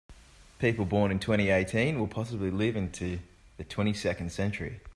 People born in twenty-eighteen will possibly live into the twenty-second century.